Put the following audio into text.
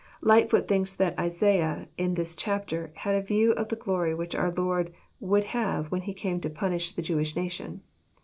Lightfoot thinks that Isaiah in this chapter had a view of the glory which our Lord would have when He came to punish the Jewish nation.